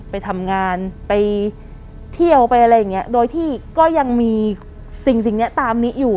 ไปทำงานไปเที่ยวไปอะไรอย่างเงี้ยโดยที่ก็ยังมีสิ่งสิ่งเนี้ยตามนี้อยู่